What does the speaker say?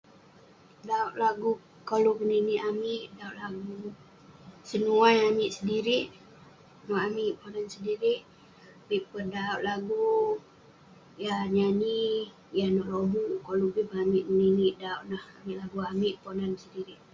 Dauk lagu koluk keninik amik, dauk lagu senuai amik sedirik, nouk amik Ponan sendirik. Avik peh dauk lagu yah nyanyi, yah nouk lobuk ; yeng koluk bi peh amik ngeninik dauk neh, amik lagu Ponan sedirik.